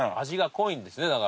味が濃いんですね